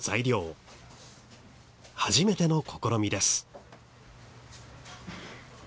初めての試みです。